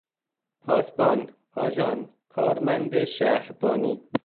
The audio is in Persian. پاسبان، آژان، کارمند شهربانی